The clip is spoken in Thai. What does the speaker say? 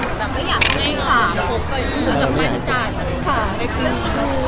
อยากให้ฝากพบกับมันจัด